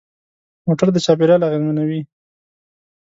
موټر د چاپېریال اغېزمنوي.